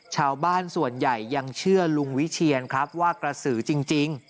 ชาวบ้านส่วนใหญ่ยังเชื่อลุงวิเชียนครับว่ากระสือจริง